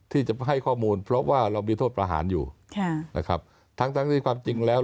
ที่จะให้ข้อมูลเพราะว่าเรามีโทษประหารอยู่ค่ะนะครับทั้งทั้งที่ความจริงแล้ว